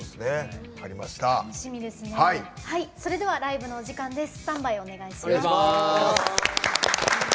それではライブのお時間です。